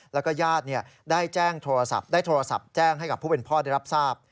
และยาดได้โทรศัพท์แจ้งให้ผู้เป็นพ่อได้รับทราบ